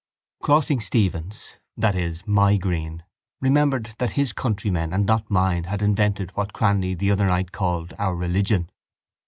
Crossing Stephen's, that is, my Green, remembered that his countrymen and not mine had invented what Cranly the other night called our religion.